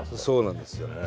そうなんですよ。